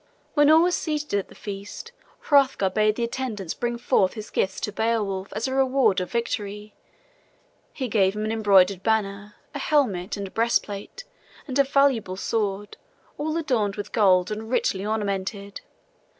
When all were seated at the feast, Hrothgar bade the attendants bring forth his gifts to Beowulf as a reward of victory. He gave him an embroidered banner, a helmet and breastplate, and a valuable sword, all adorned with gold and richly ornamented.